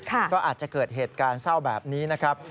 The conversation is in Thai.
ก็อาจจะเกิดเหตุการณ์เศร้าแบบนี้นะครับ